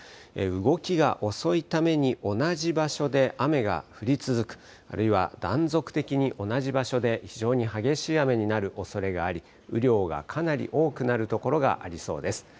動きが遅いために同じ場所で雨が降り続く、あるいは断続的に同じ場所で非常に激しい雨になるおそれがあり、雨量がかなり多くなる所がありそうです。